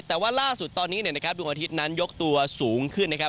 แต่ว่าล่าสุดตอนนี้นะครับดวงอาทิตย์นั้นยกตัวสูงขึ้นนะครับ